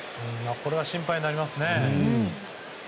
これは心配になりますね。